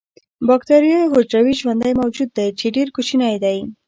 باکتریا یو حجروي ژوندی موجود دی چې ډیر کوچنی دی